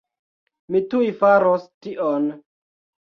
Mi tuj faros tion